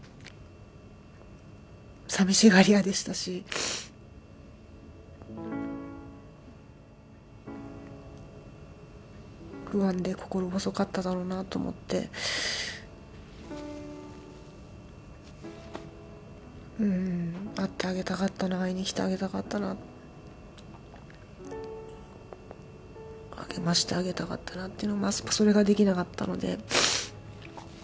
寂しがり屋でしたし、不安で心細かっただろうなと思って、会ってあげたかったな、会いに行ってあげたかったな、励ましてあげたかったなって、それができなかったので。